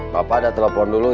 bapak ada telepon dulu